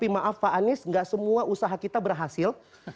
maaf pak anies gak semua usaha kita berhasil